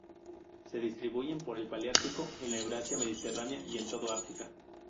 Se distribuyen por el paleártico en la Eurasia mediterránea y en todo África.